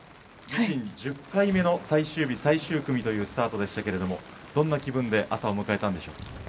自身１０回目の最終日最終組というスタートでしたがどんな気分で朝を迎えたんでしょうか。